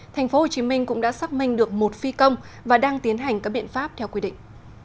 thành phố hồ chí minh cũng đã xác minh được một phi công và đang tiến hành các biện pháp theo quy định